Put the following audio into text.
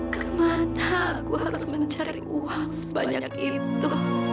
kemana gue harus mencari uang sebanyak itu